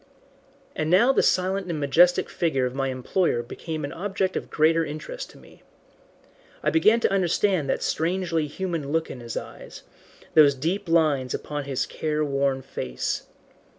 And now the silent and majestic figure of my employer became an object of greater interest to me. I began to understand that strangely human look in his eyes, those deep lines upon his care worn face.